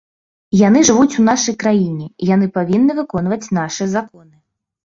Яны жывуць у нашай краіне, яны павінны выконваць нашы законы.